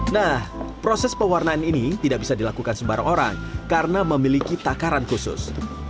nah proses pewarnaan ini tidak bisa dilakukan sebarang orang karena memiliki takaran khusus